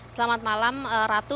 selamat malam ratu